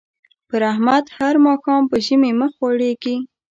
پر احمد هر ماښام په ژمي مخ غوړېږي.